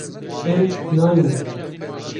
Em nayînin.